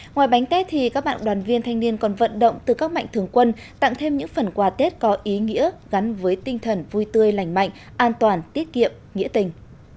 ngoài bánh tết thì các bạn đoàn viên thanh niên còn vận động từ các mạnh thường quân tặng thêm những phần quà tết có ý nghĩa gắn với tinh thần vui tươi lành mạnh an toàn tiết kiệm nghĩa tình